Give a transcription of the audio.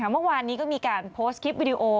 เมื่อวานนี้ก็มีการโพสต์คลิปวิดีโอ